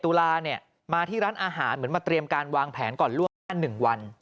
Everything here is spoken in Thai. ตุลาเนี่ยมาที่ร้านอาหารเหมือนมาเตรียมการวางแผนก่อนล่วงหน้า๑วัน